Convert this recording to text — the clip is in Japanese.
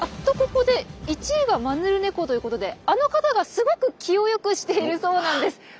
とここで１位がマヌルネコということであの方がすごく気をよくしているそうなんです。